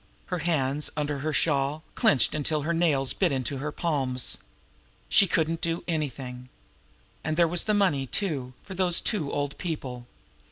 Her hands, under her shawl, clenched until the nails bit into her palms. Couldn't she do anything? And there was the money, too, for those two old people.